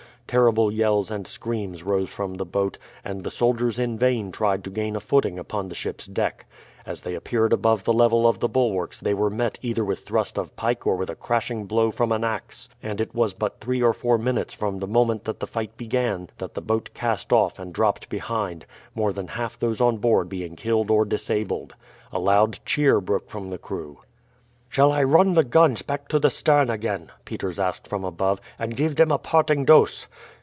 Terrible yells and screams rose from the boat, and the soldiers in vain tried to gain a footing upon the ship's deck. As they appeared above the level of the bulwarks they were met either with thrust of pike or with a crashing blow from an axe, and it was but three or four minutes from the moment that the fight began that the boat cast off and dropped behind, more than half those on board being killed or disabled. A loud cheer broke from the crew. "Shall I run the guns back to the stern again," Peters asked from above, "and give them a parting dose?"